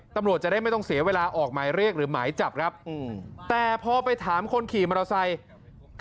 ตำรวจจะได้ไม่ต้องเสียเวลาออกหมายเรียกหรือหมายจับครับแต่พอไปถามคนขี่มอเตอร์ไซค์